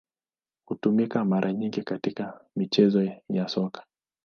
Hutumika mara nyingi katika michezo ya Soka.